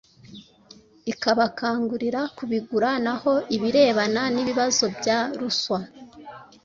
ikabakangurira kubigura. Naho ibirebana n’ibibazo bya ruswa